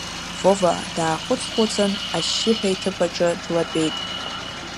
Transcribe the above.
Вова даахәыц-хәыцын, ашьшьыҳәа иҭыԥ аҿы длатәеит.